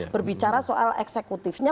berbicara soal eksekutifnya